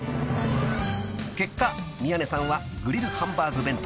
［結果宮根さんはグリルハンバーグ弁当］